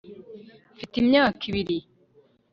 mfite imyaka ibiri